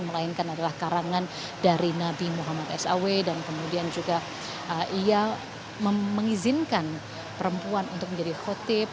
melainkan adalah karangan dari nabi muhammad saw dan kemudian juga ia mengizinkan perempuan untuk menjadi khotib